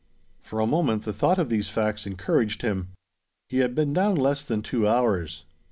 For a moment, the thought of these facts encouraged him. He had been down less than two hours.